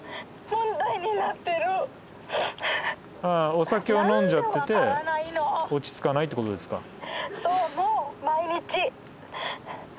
ああお酒を飲んじゃってて落ち着かないってことですか。